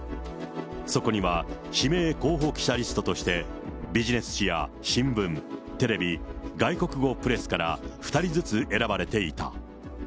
そこには指名候補記者リストとして、ビジネス誌や新聞、テレビ、外国語プレスから２人ずつ選ばれていた。